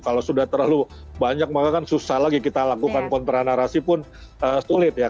kalau sudah terlalu banyak maka kan susah lagi kita lakukan kontra narasi pun sulit ya